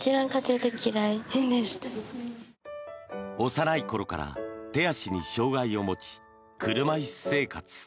幼い頃から手足に障害を持ち車椅子生活。